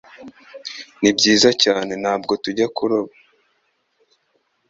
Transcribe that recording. Nibyiza cyane ntabwo tujya kuroba